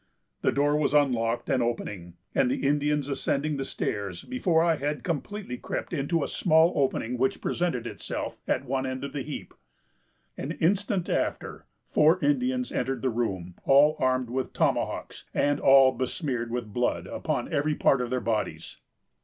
"The door was unlocked and opening, and the Indians ascending the stairs, before I had completely crept into a small opening which presented itself at one end of the heap. An instant after, four Indians entered the room, all armed with tomahawks, and all besmeared with blood, upon every part of their bodies.